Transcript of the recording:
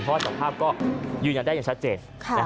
เพราะว่าจากภาพก็ยืนยันได้อย่างชัดเจน